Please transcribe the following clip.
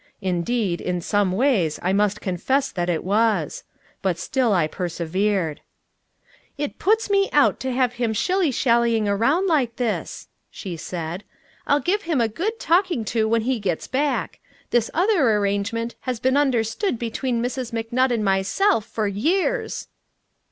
Indeed, in some ways I must confess it was. But still I persevered. "It puts me out to have him shilly shallying around like this," she said. "I'll give him a good talking to when he gets back. This other arrangement has been understood between Mrs. McNutt and myself for years."